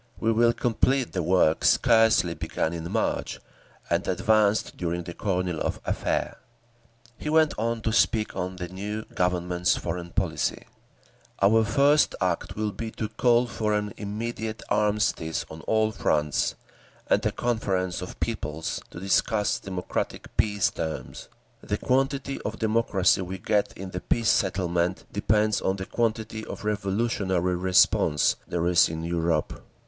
We will complete the work scarcely begun in March, and advanced during the Kornilov affair…." He went on to speak of the new Government's foreign policy: "Our first act will be to call for an immediate armistice on all fronts, and a conference of peoples to discuss democratic peace terms. The quantity of democracy we get in the peace settlement depends on the quantity of revolutionary response there is in Europe.